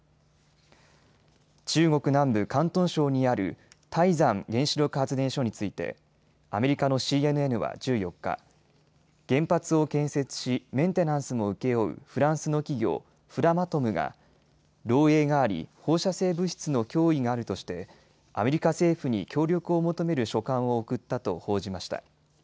中国南部広東省にある台山原子力発電所についてアメリカのＣＮＮは１４日、原発を建設しメンテナンスも請け負うフランスの企業、フラマトムが漏えいがあり、放射性物質の脅威があるとしてアメリカ政府に協力を求める書簡を送ったと報じました。